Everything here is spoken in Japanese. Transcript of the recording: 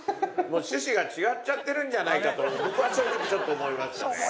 趣旨が違っちゃってるんじゃないかと僕は正直ちょっと思いましたね。